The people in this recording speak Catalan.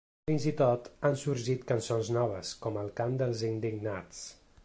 Fins i tot, han sorgit cançons noves, com El cant dels indignats.